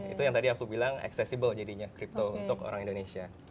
itu yang tadi aku bilang accessible jadinya crypto untuk orang indonesia